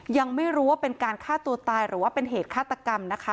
ยังไม่รู้ว่าเป็นการฆ่าตัวตายหรือว่าเป็นเหตุฆาตกรรมนะคะ